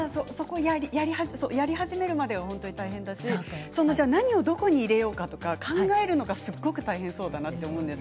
やり始めるまでは大変だし何をどこに入れようかと考えるのが大変そうだと思います。